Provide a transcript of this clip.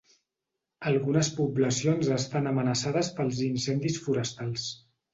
Algunes poblacions estan amenaçades pels incendis forestals.